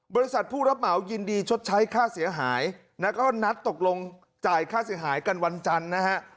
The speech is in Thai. บริษัทผู้รับเหมายินดีชดใช้ค่าเสียหายแล้วก็นัดตกลงจ่ายค่าเสียหายกันวันจันทร์นะฮะ